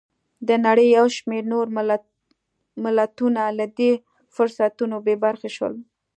د نړۍ یو شمېر نور ملتونه له دې فرصتونو بې برخې شول.